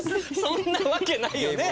そんなわけないよね！？